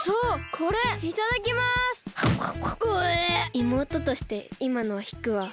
いもうととしていまのはひくわ。